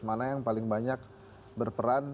mana yang paling banyak berperan